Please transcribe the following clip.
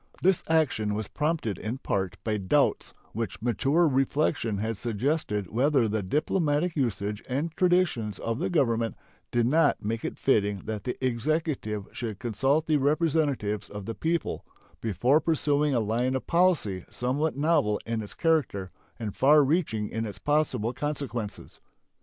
This action was prompted in part by doubts which mature reflection had suggested whether the diplomatic usage and traditions of the Government did not make it fitting that the Executive should consult the representatives of the people before pursuing a line of policy somewhat novel in its character and far reaching in its possible consequences.